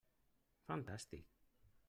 Fantàstic!